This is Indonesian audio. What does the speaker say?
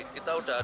kita sudah ada